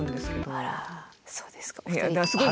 あらそうですか。